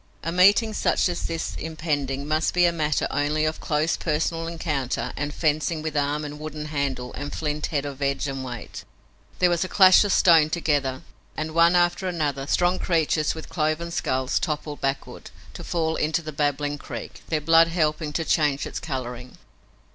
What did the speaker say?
A meeting such as this impending must be a matter only of close personal encounter and fencing with arm and wooden handle and flint head of edge and weight. There was a clash of stone together, and, one after another, strong creatures with cloven skulls toppled backward, to fall into the babbling creek, their blood helping to change its coloring.